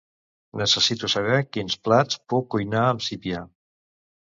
Necessito saber quins plats puc cuinar amb sípia.